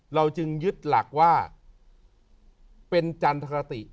เราจึงยึดหลักว่าเป็นจันทรติ